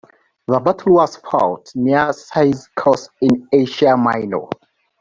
The battle was fought near Cyzicus in Asia Minor.